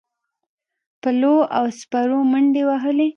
پلو او سپرو منډې وهلې.